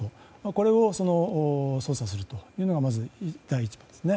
これを捜査するというのがまず第一ですね。